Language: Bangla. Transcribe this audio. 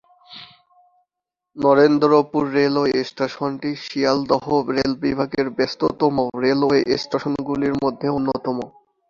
নরেন্দ্রপুর রেলওয়ে স্টেশনটি শিয়ালদহ রেল বিভাগের ব্যস্ততম রেলওয়ে স্টেশনগুলির মধ্যে অন্যতম।